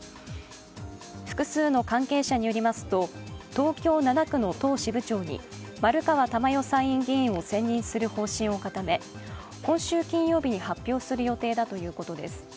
複数の関係者によりますと東京７区の党支部長に丸川珠代参院議員を選任する方針を固め今週金曜日に発表する予定だということです。